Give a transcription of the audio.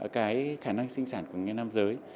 cái khả năng sinh sản của người nam giới